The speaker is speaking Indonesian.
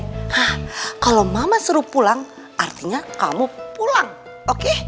hah kalo mama suruh pulang artinya kamu pulang oke